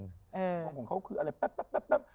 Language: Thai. ของเขาคืออะไรแป๊บ